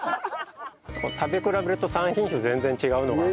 食べ比べると３品種全然違うのが。